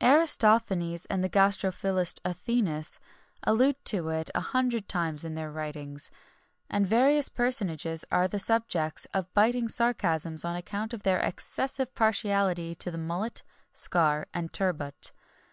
Aristophanes and the gastrophilist Athenæus, allude to it a hundred times in their writings, and various personages are the subjects of biting sarcasms on account of their excessive partiality to the mullet, scar, and turbot.